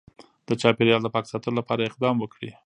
د چاپیریال د پاک ساتلو لپاره اقدام وکړي